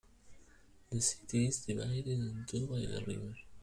The city is divided in two by the river.